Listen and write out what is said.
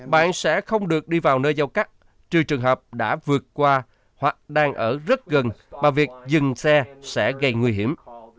bạn sẽ không được đi vào nơi giao cắt trừ trường hợp đã vượt qua hoặc đang ở rất gần mà việc dừng xe sẽ gây nguy hiểm